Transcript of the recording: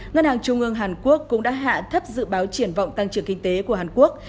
ngân hàng trung ương hàn quốc cũng đã hạ thấp dự báo triển vọng tăng trưởng kinh tế của hàn quốc